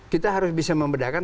kita harus bisa membedakan